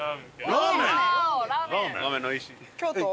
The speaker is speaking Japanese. ラーメン！